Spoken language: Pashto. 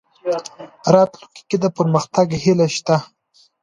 راتلونکې کې د پرمختګ هیله شته.